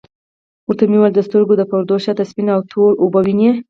ورته ومي ویل د سترګو د پردو شاته سپیني او توری اوبه وینې ؟